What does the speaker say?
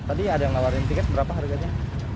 tadi ada yang nawarin tiket berapa harganya